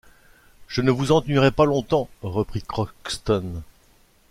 Je ne vous ennuierai pas longtemps, reprit Crockston.